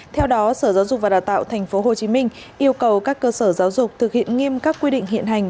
theo đó sở giáo dục và đào tạo tp hcm yêu cầu các cơ sở giáo dục thực hiện nghiêm các quy định hiện hành